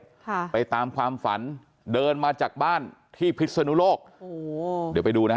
ค่ะไปตามความฝันเดินมาจากบ้านที่พิสุโนโลกกู